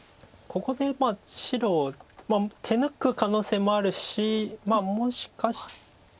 ここでまあ白手抜く可能性もあるしもしかして。